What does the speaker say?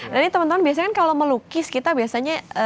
dan ini temen temen biasanya kalau melukis kita biasanya